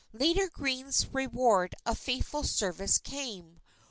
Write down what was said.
Later Greene's reward of faithful service came.